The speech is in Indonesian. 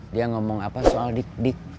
dia ngomong apa soal dik dik